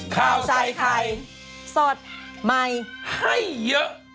ข้าวใส่ไข่สดใหม่ให้เยอะ